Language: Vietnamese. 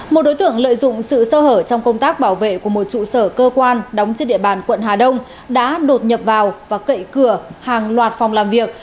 một đối tượng lợi dụng sự sơ hở trong công tác bảo vệ của một trụ sở cơ quan đóng trên địa bàn quận hà đông đã đột nhập vào và cậy cửa hàng loạt phòng làm việc